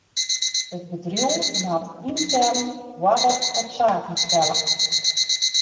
It bedriuw moat yntern oarder op saken stelle.